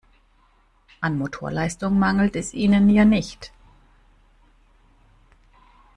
An Motorleistung mangelt es ihnen ja nicht.